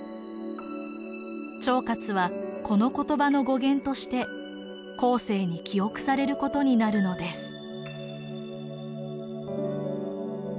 趙括はこの言葉の語源として後世に記憶されることになるのです。